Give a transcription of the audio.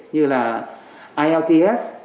như là ilts